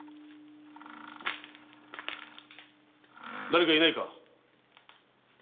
だれかいないか？